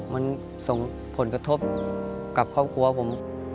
มันส่งผลกระทบกับครอบครัวผม